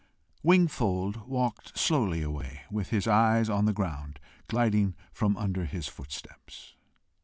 Wingfold walked slowly away, with his eyes on the ground gliding from under his footsteps.